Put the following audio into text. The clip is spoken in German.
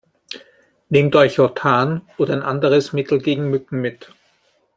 Nehmt euch Autan oder ein anderes Mittel gegen Mücken mit.